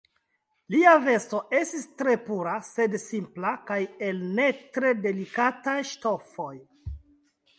Lia vesto estis tre pura, sed simpla, kaj el ne tre delikataj ŝtofoj.